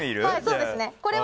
そうですね。